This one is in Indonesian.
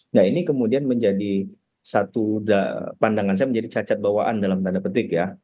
nah ini kemudian menjadi satu pandangan saya menjadi cacat bawaan dalam tanda petik ya